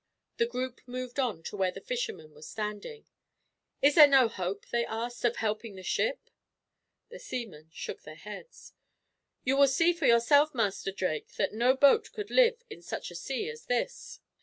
The group moved on to where the fishermen were standing. "Is there no hope," they asked, "of helping the ship?" The seamen shook their heads. "You will see for yourself, Master Drake, that no boat could live in such a sea as this."